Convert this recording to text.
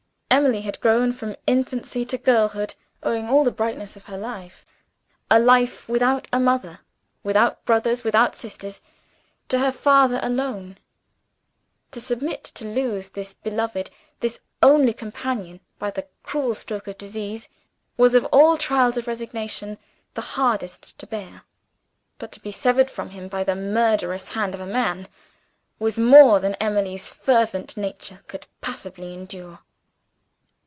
Emily had grown from infancy to girlhood, owing all the brightness of her life a life without a mother, without brothers, without sisters to her father alone. To submit to lose this beloved, this only companion, by the cruel stroke of disease was of all trials of resignation the hardest to bear. But to be severed from him by the murderous hand of a man, was more than Emily's fervent nature could passively endure.